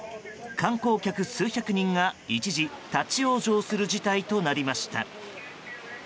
観光客数百人が一時立ち往生する事態となりました。